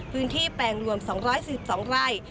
พื้นที่แปลงรวม๒๔๒ไร่